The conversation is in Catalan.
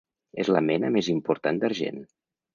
És la mena més important d'argent.